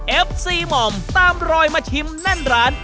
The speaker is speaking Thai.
เอฟซีหม่อมตามรอยมาชิมแน่นร้าน